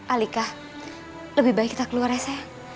alika lebih baik kita keluarnya sayang